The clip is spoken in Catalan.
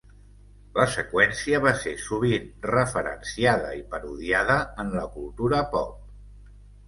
La seqüència va ser sovint referenciada i parodiada en la cultura pop.